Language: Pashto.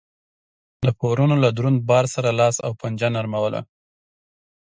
د پورونو له دروند بار سره لاس و پنجه نرموله